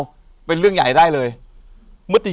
อยู่ที่แม่ศรีวิรัยิลครับ